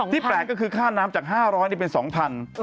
ที่แปลกก็คือค่าน้ำจาก๕๐๐เนี่ยเป็น๒๐๐๐